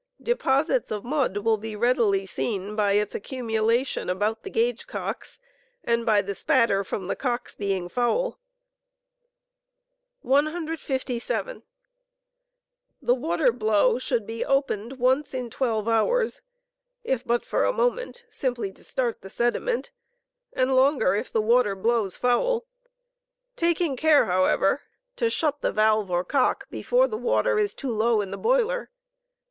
, Deposits of mud will be readily seen by its accumulation about the gauge cocks and by the "spatter" from the cocks being foul. 157. The " water : blow w should be opened once in twelve hours, if but for a moment, simply to start the sediment, and longer if the water "blows foul,'' taking care, how Water blow. 19 ever, to shut the valve or cock before the. water is too low in the boiler.